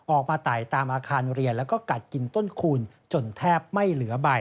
ไต่ตามอาคารเรียนแล้วก็กัดกินต้นคูณจนแทบไม่เหลือใบ